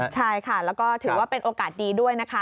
ใช่ค่ะแล้วก็ถือว่าเป็นโอกาสดีด้วยนะคะ